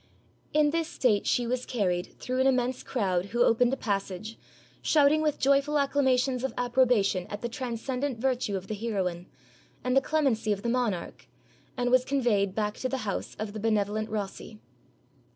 In this state she was carried, through an immense crowd, who opened a passage, shouting with joyful acclamations of approbation at the transcendent virtue of the heroine, and the clem ency of the monarch, and was conveyed back to the house of the benevolent Rossi.